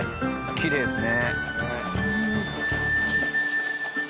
きれいですね。